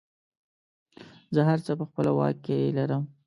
زه هر څه په خپله واک کې لرم.